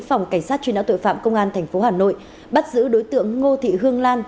phòng cảnh sát truy não tội phạm công an tp hà nội bắt giữ đối tượng ngô thị hương lan